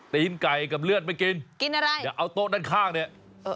ตีนไก่กับเลือดไม่กินกินอะไรเอาโต๊ะนั่นข้างเนี่ย